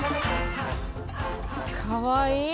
かわいい。